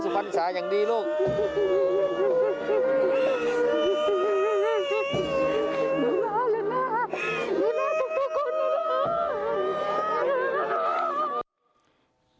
ดูฟรรษาเลยนะดูฟรรษาทุกคนเลยนะ